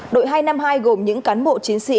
đội hai trăm năm mươi hai gồm những cán bộ chiến sĩ